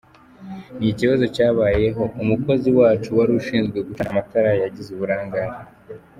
Ni ikibazo cyabayeho umukozi wacu wari ushinzwe gucana amatara yagize uburangare.